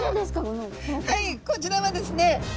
こちらはですね